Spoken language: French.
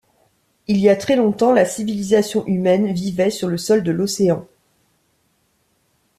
Il y a très longtemps, la civilisation humaine vivait sur le sol de l'océan.